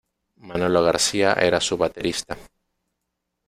Manolo García era su baterista.